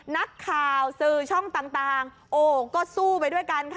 นักข่าวสื่อช่องต่างโอ้ก็สู้ไปด้วยกันค่ะ